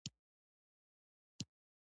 خپل انځور یا ځان انځور: